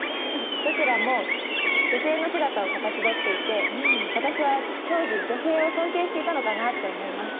どちらも女性の姿をかたちどっていて私は当時女性を尊敬していたのかなって思います。